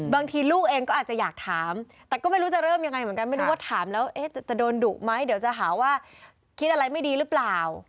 บางทีลูกเองก็อาจจะอยากถามแต่ก็ไม่รู้จะเริ่มยังไงเหมือนกันไม่รู้ว่าถามแล้วจะโดนดุไหมเดี๋ยวจะหาว่าคิดอะไรไม่ดีหรือเปล่า